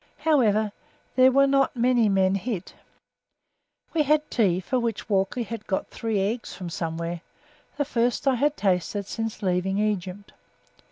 However, there were not many men hit. We had tea for which Walkley had got three eggs from somewhere, the first I had tasted since leaving Egypt.